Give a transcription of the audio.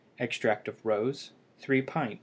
Extract of rose 1 pint.